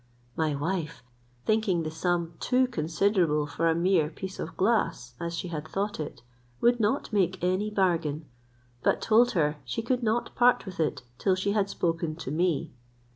My wife, thinking the sum too considerable for a mere piece of glass as she had thought it, would not make any bargain; but told her, she could not part with it till she had spoken to me.